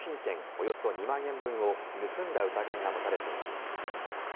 およそ２万円分を盗んだ疑いが持たれています。